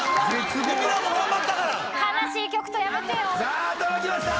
さあ届きました。